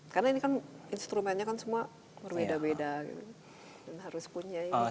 karena ini kan instrumennya kan semua berbeda beda